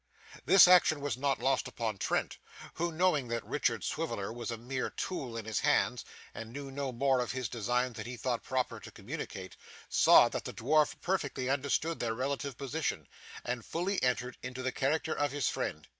This action was not lost upon Trent, who, knowing that Richard Swiveller was a mere tool in his hands and knew no more of his designs than he thought proper to communicate, saw that the dwarf perfectly understood their relative position, and fully entered into the character of his friend.